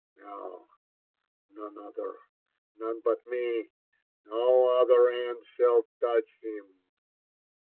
;'' No ! none other, none but me — no other hand shall touch him